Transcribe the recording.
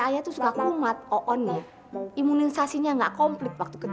ya gak tau itu emang taktik i